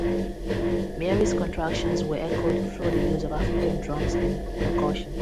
Mary's contractions were echoed through the use of African drums and percussion.